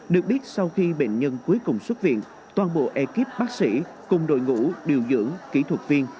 được biết sau khi bệnh nhân cuối cùng xuất viện toàn bộ ekip bác sĩ cùng đội ngũ điều dưỡng kỹ thuật viên